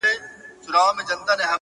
• له مايې ما اخله ـ